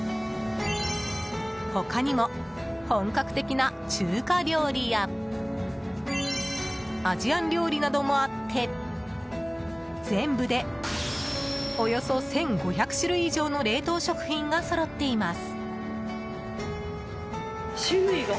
他にも、本格的な中華料理やアジアン料理などもあって全部でおよそ１５００種類以上の冷凍食品がそろっています。